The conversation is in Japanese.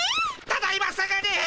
ただいますぐに！